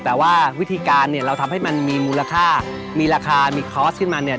แต่ว่าวิธีการเนี่ยเราทำให้มันมีมูลค่ามีราคามีคอร์สขึ้นมาเนี่ย